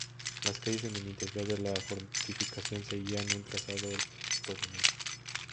Las calles en el interior de la fortificación seguían un trazado ortogonal.